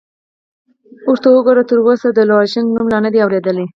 ورته وګوره، ده تراوسه د لوژینګ نوم لا نه دی اورېدلی!